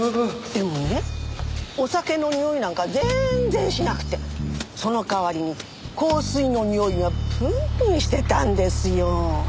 でもねお酒のにおいなんか全然しなくてその代わりに香水のにおいがプンプンしてたんですよ。